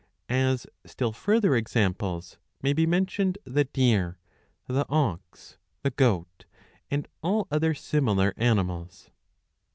As still further examples, may be mentioned the ' deer, the ox, the gpat, and all other similar animals.